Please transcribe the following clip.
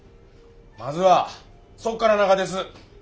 まずはそっからながです。